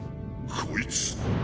こいつ。